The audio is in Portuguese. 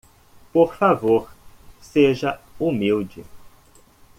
Por favor,? seja humilde.